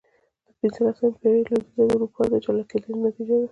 د پنځلسمې پېړۍ لوېدیځه اروپا د جلا کېدنې نتیجه ده.